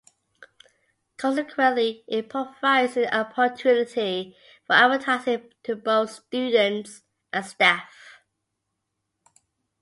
Consequently, it provides an opportunity for advertising to both students and staff.